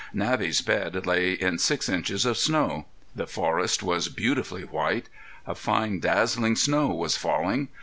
Navvy's bed lay in six inches of snow. The forest was beautifully white. A fine dazzling snow was falling.